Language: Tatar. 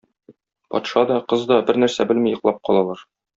Патша да, кыз да бернәрсә белми йоклап калалар.